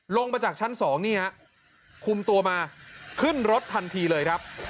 ลงมาจากชั้น๒นี่ฮะคุมตัวมาขึ้นรถทันทีเลยครับ